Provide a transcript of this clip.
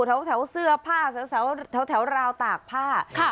แถวแถวเสื้อผ้าแถวแถวแถวราวตากผ้าค่ะ